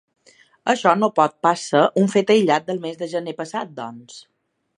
Això no pot pas ser un fet aïllat del mes de gener passat, doncs.